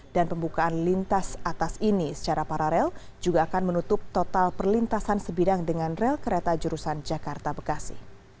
dan pembukaan lintas atas ini secara paralel juga akan menutup total perlintasan sebidang dengan rel kereta jurusan jakarta begasi